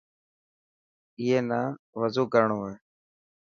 اي نا وضو ڪرڻو هي.